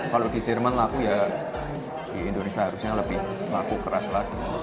kalau di jerman laku ya di indonesia harusnya lebih laku keras lagi